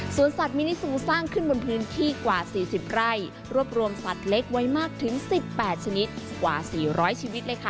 สัตว์มินิซูสร้างขึ้นบนพื้นที่กว่า๔๐ไร่รวบรวมสัตว์เล็กไว้มากถึง๑๘ชนิดกว่า๔๐๐ชีวิตเลยค่ะ